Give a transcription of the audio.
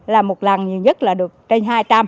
là một lần nhiều nhất là được trên hai trăm linh